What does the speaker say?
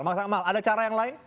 mas akmal ada cara yang lain